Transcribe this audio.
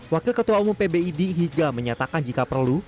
wakil ketua umum pbid higa menyatakan jika perlu